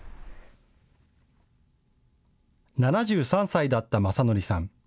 ７３歳だった昌徳さん。